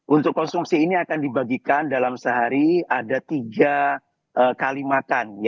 untuk konsumsi ini akan dibagikan dalam sehari ada tiga kali makan